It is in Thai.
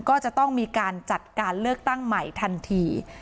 ก็จะต้องมีการจัดการเลือกตั้งใหม่ทันที